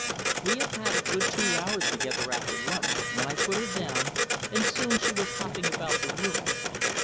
We had had a good two hours together after lunch, when I put her down, and soon she was hopping about the room.